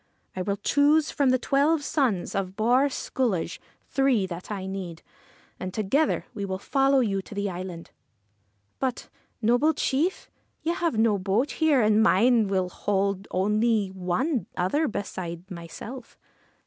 I will choose, from the twelve sons of Bawr Sculloge, three that I need, and together we will follow you to the island.' ' But, noble chief, you have no boat here, and mine will hold only one other beside myself.'